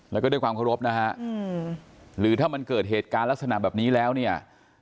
แล้วก็ด้วยความเคารพนะฮะหรือถ้ามันเกิดเหตุการณ์ลักษณะแบบนี้แล้วเนี่ย